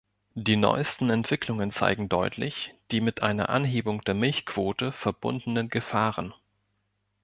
Die neuesten Entwicklungen zeigen deutlich die mit einer Anhebung der Milchquote verbundenen Gefahren.